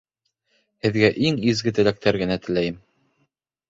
Һеҙгә иң изге теләктәр генэ теләйем